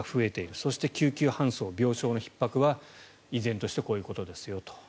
そして救急搬送、病床のひっ迫は依然としてこういうことですよと。